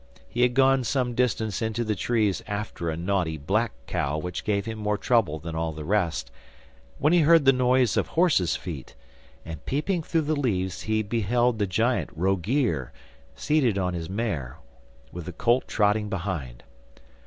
He had gone some distance into the trees, after a naughty black cow which gave him more trouble than all the rest, when he heard the noise of horse's feet, and peeping through the leaves he beheld the giant Rogear seated on his mare, with the colt trotting behind.